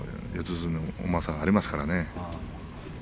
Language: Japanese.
相撲うまさがありますからね。